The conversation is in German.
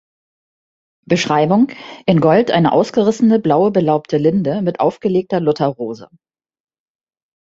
Beschreibung: In Gold eine ausgerissene blaue belaubte Linde mit aufgelegter Lutherrose.